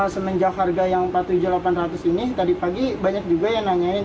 semenjak harga yang rp empat puluh tujuh delapan ratus ini tadi pagi banyak juga yang nanyain